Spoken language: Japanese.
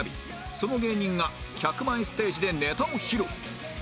その芸人が客前ステージでネタを披露